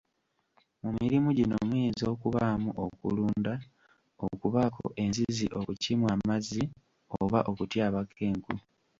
Mu mirimu gino muyinza okubaamu okulunda, okubaako enzizi okukimwa amazzi oba okutyabako enku.